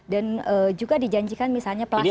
dan juga dijanjikan misalnya pelaksanaan